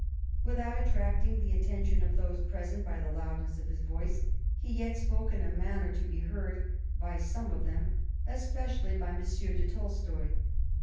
Without attracting the attention of those present by the loudness of his voice, he yet spoke in a manner to be heard by some of them, especially by M. de Tolstoy.